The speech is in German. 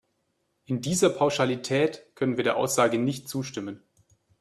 In dieser Pauschalität können wir der Aussage nicht zustimmen.